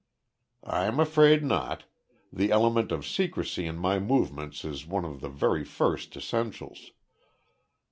"I'm afraid not. The element of secrecy in my movements is one of the very first essentials."